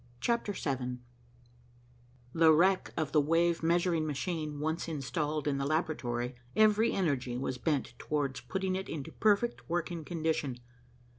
CHAPTER VII The wreck of the wave measuring machine once installed in the laboratory, every energy was bent towards putting it into perfect working condition.